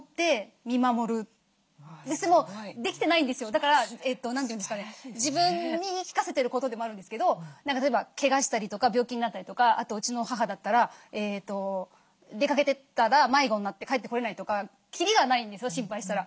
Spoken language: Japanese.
だから何て言うんですかね自分に言い聞かせてることでもあるんですけど例えばけがしたりとか病気になったりとかうちの母だったら出かけてったら迷子になって帰ってこれないとかきりがないんですよ心配したら。